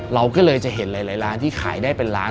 เราก็เลยจะเห็นหลายร้านที่ขายได้เป็นล้าน